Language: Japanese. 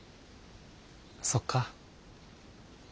そっか。